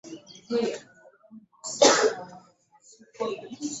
Nti era mu kiseera kino ekitebe kino kyali mu mbeera mbi era yonna ng'etonnya.